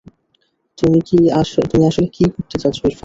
তুমি আসলে কী করতে চাচ্ছো ইরফান?